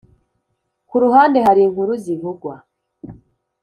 kuruhande hari inkuru zivugwa